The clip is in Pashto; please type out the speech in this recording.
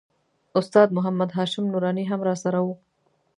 استاد محمد هاشم نوراني هم راسره و.